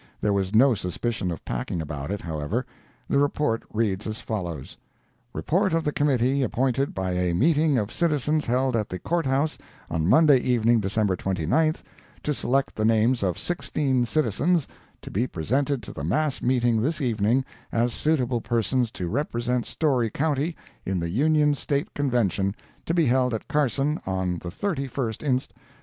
There was no suspicion of packing about it, however. The report reads as follows: Report of the committee appointed by a meeting of citizens held at the Court House on Monday evening, December 29th, to select the names of sixteen citizens to be presented to the mass meeting this evening as suitable persons to represent Storey county in the Union State Convention, to be held at Carson on the 31st inst.